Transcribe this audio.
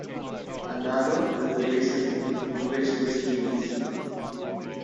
Another is the racism to which this leads.